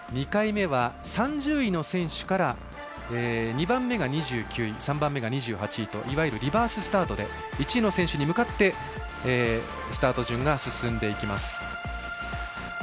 ２回目は３０位の選手から２番目が２９位３番目が２８位といわゆるリバーススタートで１位の選手に向かってスタート順が進んでいきます。